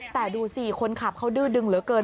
แต่ดูสิคนขับเขาดื้อดึงเหลือเกิน